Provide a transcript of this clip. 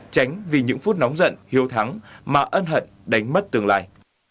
tránh vì những phút nóng giận hiếu thắng mà ân hận đánh mất tương lai